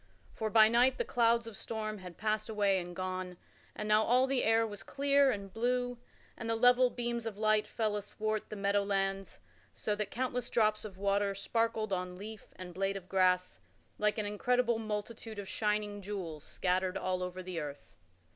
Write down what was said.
For by night the clouds of storm had passed away and gone, and now all the air was clear and blue, and the level beams of light fell athwart the meadow lands so that countless drops of water sparkled on leaf and blade of grass, like an incredible multitude of shining jewels scattered all over the earth.